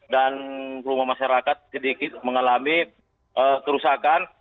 dan rumah masyarakat sedikit mengalami kerusakan